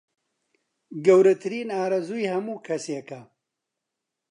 گەورەترین ئارەزووی هەموو کەسێکە